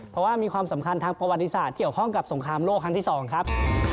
เพราะว่ามีความสำคัญทางประวัติศาสตร์เกี่ยวข้องกับสงครามโลกครั้งที่๒ครับ